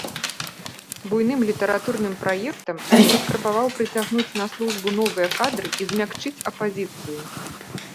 Буйным літаратурным праектам ён паспрабаваў прыцягнуць на службу новыя кадры і змякчыць апазіцыю.